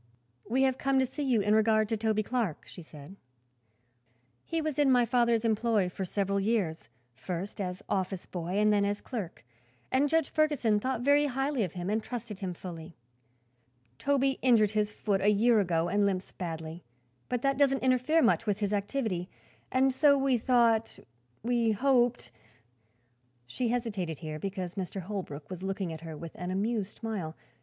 "We have come to see you in regard to Toby Clark," she said. "He was in my father's employ for several years, first as office boy and then as clerk, and Judge Ferguson thought very highly of him and trusted him fully. Toby injured his foot a year ago and limps badly, but that doesn't interfere much with his activity, and so we thought we hoped " She hesitated, here, because Mr. Holbrook was looking at her with an amused smile.